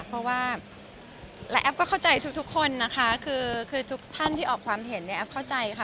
เพราะว่าและแอฟก็เข้าใจทุกคนนะคะคือทุกท่านที่ออกความเห็นเนี่ยแอฟเข้าใจค่ะ